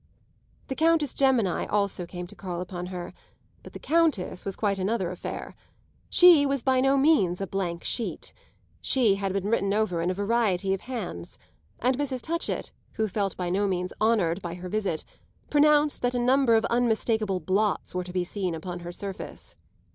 The Countess Gemini also came to call upon her, but the Countess was quite another affair. She was by no means a blank sheet; she had been written over in a variety of hands, and Mrs. Touchett, who felt by no means honoured by her visit, pronounced that a number of unmistakeable blots were to be seen upon her surface.